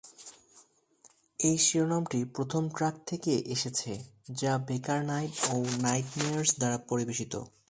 এই শিরোনামটি প্রথম ট্র্যাক থেকে এসেছে, যা বেকার নাইট এবং নাইটমেয়ারস দ্বারা পরিবেশিত।